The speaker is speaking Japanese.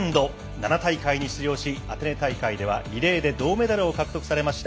７大会に出場しアテネ大会ではリレーで銅メダルを獲得されました